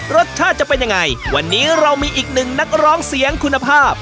จะเป็นยังไงวันนี้เรามีอีกหนึ่งนักร้องเสียงคุณภาพ